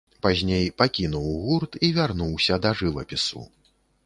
Пазней пакінуў гурт і вярнуўся да жывапісу.